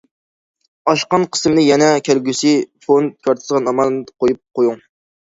ئاشقان قىسمىنى يەنە« كەلگۈسى فوند» كارتىسىغا ئامانەت قويۇپ قويۇڭ.